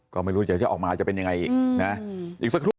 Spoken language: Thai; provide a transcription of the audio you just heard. ก็ไม่รู้จะจะออกมาจะเป็นยังไงอีกนะอืม